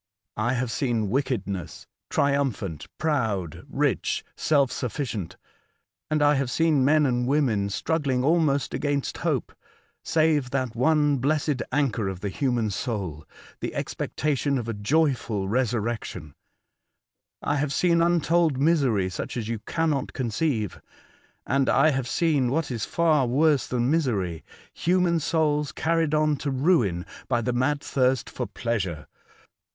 I have Earth as Others see it. 87 seen wickedness triumpliant, proud, ricli, self suflBcient ; and I have seen men and women struggling almost against hope — save that one blessed anchor of the human soul, the expec tation of a joyful resurrection. I have seen untold misery such as you cannot conceive, and I have seen what is far worse than misery, human souls carried on to ruin by the mad thirst for pleasure.